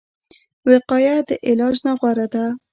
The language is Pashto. وقایه د علاج نه غوره ده